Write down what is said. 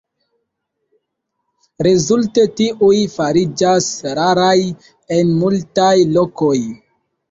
Rezulte tiuj fariĝas raraj en multaj lokoj.